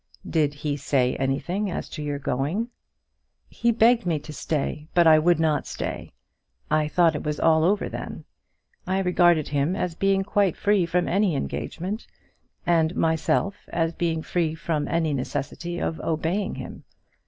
"Did he say anything as to your going?" "He begged me to stay, but I would not stay. I thought it was all over then. I regarded him as being quite free from any engagement, and myself as being free from any necessity of obeying him.